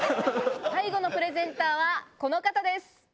最後のプレゼンターはこの方です。